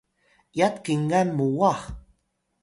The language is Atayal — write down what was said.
yat kinga muwah